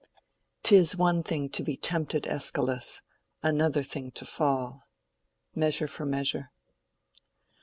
'Tis one thing to be tempted, Escalus, Another thing to fall. —Measure for Measure.